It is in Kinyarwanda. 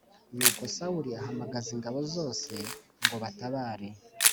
Nuko Sawuli ahamagaza ingabo zose ngo batabare